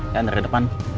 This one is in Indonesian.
dia anterin di depan